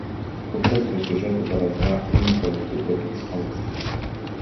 У цэнтры сюжэту барацьба інкаў супраць іспанцаў.